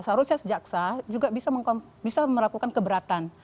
seharusnya sejaksa juga bisa melakukan keberatan